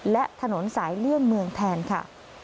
และถนนสายเลี่ยงเมืองแทนค่ะ